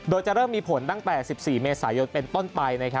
โดยจะเริ่มมีผลตั้งแต่๑๔เมษายนเป็นต้นไป